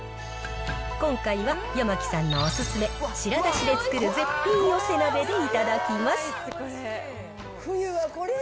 今回は、ヤマキさんのお勧め、白だしで作る絶品寄せ鍋で頂きます。